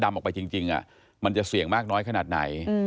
และมันต้องมีความตัดต่อมา